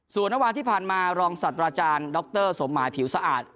ส่วนวันที่ผ่านมารองศัตริราจารย์ดรสมมายผิวสะอาด